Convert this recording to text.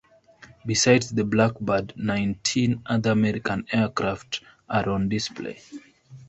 Besides the Blackbird, nineteen other American aircraft are on display.